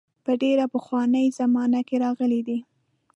په ډېره پخوانۍ زمانه کې راغلي دي.